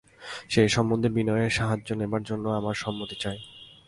সে এ সম্বন্ধে বিনয়ের সাহায্য নেবার জন্যে আমার সম্মতি চায়।